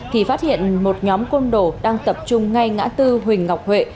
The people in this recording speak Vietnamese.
thì phát hiện một nhóm công đổ đang tập trung ngay ngã tư huỳnh ngọc huệ